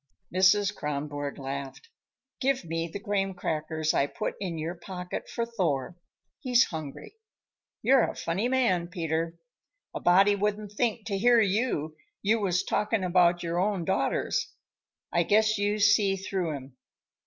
Mrs. Kronborg laughed. "Give me the graham crackers I put in your pocket for Thor. He's hungry. You're a funny man, Peter. A body wouldn't think, to hear you, you was talking about your own daughters. I guess you see through 'em.